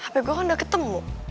hp gue kok gak ketemu